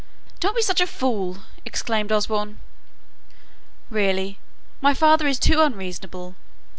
"Don't be such a fool!" exclaimed Osborne. "Really, my father is too unreasonable.